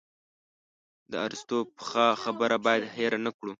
د ارسطو پخه خبره باید هېره نه کړو.